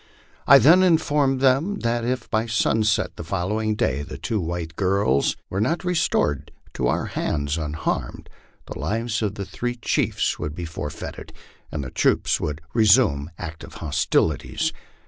I then informed them that if by sunset the following day the two white girls were not restored to our hands unharmed, the lives of the three chiefs would be forfeited, and the troops would resume active hostilities.